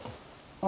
あ？